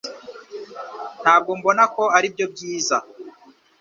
Ntabwo mbona ko aribyo byiza